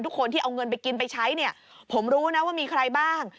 ทุกคนที่เอาเงินไปกินไปใช้เนี่ยผมรู้นะว่ามีใครบ้าง